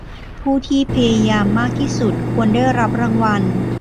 ผู้ที่พยายามมากที่สุดควรได้รับรางวัล